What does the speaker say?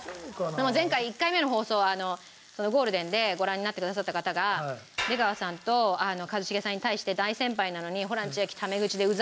でも前回１回目の放送ゴールデンでご覧になってくださった方が出川さんと一茂さんに対して「大先輩なのにホラン千秋タメ口でうざいわ」みたいな。